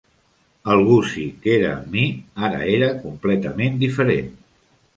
El Gussie que era amb mi ara era completament diferent.